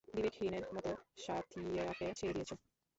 বিবেকহীনের মত সাথ্যীয়াকে ছেড়ে দিয়েছ।